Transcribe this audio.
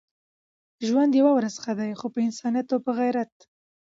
ژوند يوه ورځ ښه دی خو په انسانيت او په غيرت.